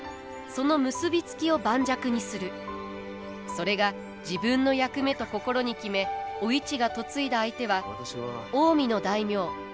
それが自分の役目と心に決めお市が嫁いだ相手は近江の大名浅井長政。